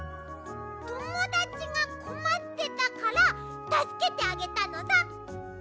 ともだちがこまってたからたすけてあげたのさ！